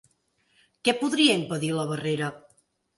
Què podria impedir la barrera?